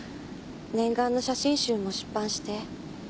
念願の写真集も出版して。